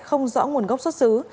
không rõ nguồn gốc xuất xứ